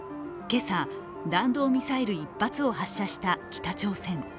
今朝、弾道ミサイル１発を発射した北朝鮮。